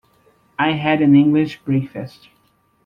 I had an English breakfast.